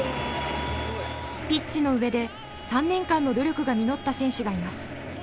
ピッチの上で３年間の努力が実った選手がいます。